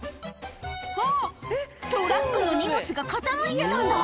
あっトラックの荷物が傾いてたんだ